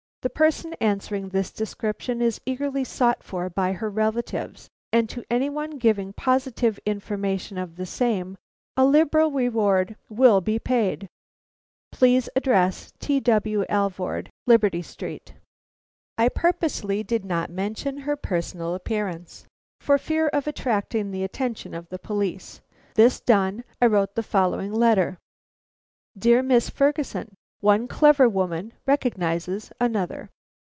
The person answering this description is eagerly sought for by her relatives, and to any one giving positive information of the same, a liberal reward will be paid. Please address, T. W. Alvord, Liberty Street." I purposely did not mention her personal appearance, for fear of attracting the attention of the police. This done, I wrote the following letter: "DEAR MISS FERGUSON: "One clever woman recognizes another.